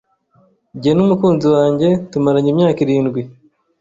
Jye n'umukunzi wanjye tumaranye imyaka irindwi.